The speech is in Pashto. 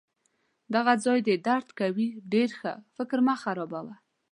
دغه ځای دي درد کوي؟ ډیر ښه! فکر مه خرابوه.